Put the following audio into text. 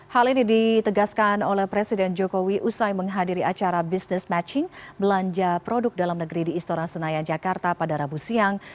hal ini ditegaskan oleh presiden jokowi usai menghadiri acara business matching belanja produk dalam negeri di istora senayan jakarta pada rabu siang